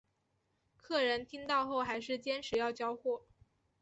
客人听到后还是坚持要交货